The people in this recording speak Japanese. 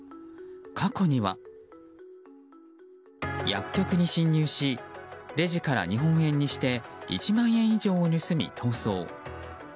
過去には、薬局に侵入しレジから日本円にして１万円以上を盗み、逃走。